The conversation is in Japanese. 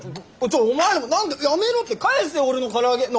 ちょっお前らも何でやめろって返せ俺のから揚げ！